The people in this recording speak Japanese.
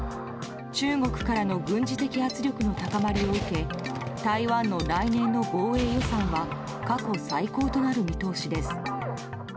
中国からの軍事的圧力の高まりを受け台湾の来年の防衛予算は過去最高となる見通しです。